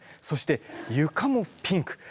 そしてゆかもピンク。